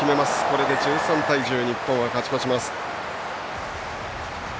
これで１３対１０と日本は勝ち越します。